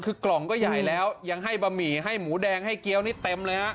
คือกล่องก็ใหญ่แล้วยังให้บะหมี่ให้หมูแดงให้เกี้ยวนี่เต็มเลยฮะ